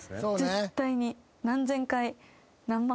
絶対に。